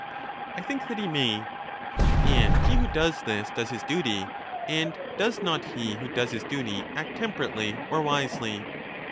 I think that he may. And he who does this does his duty. And does not he who does his duty act temperately or wisely?